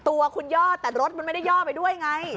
ตัวคุณย่อแต่รถมันไม่ได้ย่อไปด้วยไง